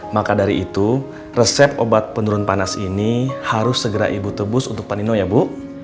maka dari itu resep obat penurun panas ini harus segera ibu tebus untuk panino ya bu